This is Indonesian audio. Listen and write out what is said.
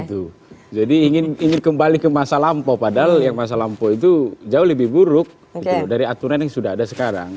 betul jadi ingin kembali ke masa lampau padahal yang masa lampau itu jauh lebih buruk dari aturan yang sudah ada sekarang